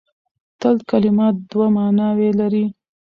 د تل کلمه دوه ماناوې لري.